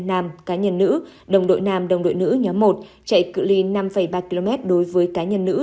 nam cá nhân nữ đồng đội nam đồng đội nữ nhóm một chạy cự li năm ba km đối với cá nhân nữ